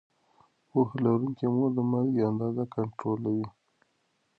پوهه لرونکې مور د مالګې اندازه کنټرولوي.